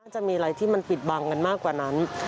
จะมีอะไรที่มันปิดบังกันมากกว่านั้น